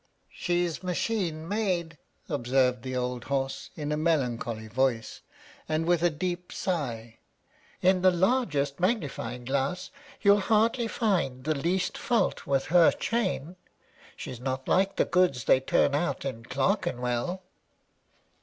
"She's machine made," observed the old horse, in a melancholy voice, and with a deep sigh. "In the largest magnifying glass you'll hardly find the least fault with her chain. She's not like the goods they turn out in Clerkenwell."